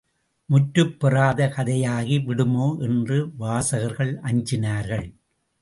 முற்றுப் பெறாத கதையாகி விடுமோ என்று வாசகர்கள் அஞ்சினார்கள்.